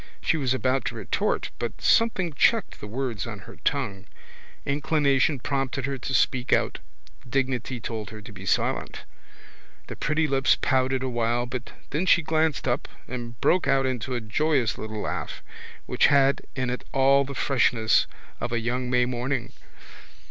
She was about to retort but something checked the words on her tongue. Inclination prompted her to speak out: dignity told her to be silent. The pretty lips pouted awhile but then she glanced up and broke out into a joyous little laugh which had in it all the freshness of a young May morning.